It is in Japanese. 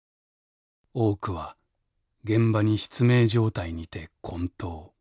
多くは現場に失明状態にてこん倒。